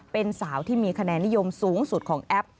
เป็นสาวที่มีคะแนนนิยมสูงสุดของแอป